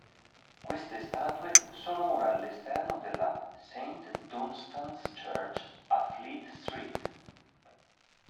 Queste statue sono ora all'esterno della "St Dunstan's Church", a "Fleet Street".